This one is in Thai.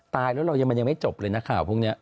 ตายแล้วเรายังมันยังไม่จบเลยนะข่าวพวกนี้